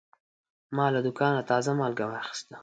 ما له دوکانه تازه مالګه واخیسته.